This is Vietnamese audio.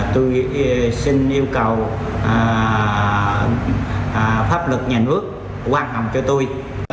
tôi xin yêu cầu pháp luật nhà nước quan hồng cho tôi